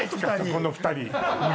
そこの２人！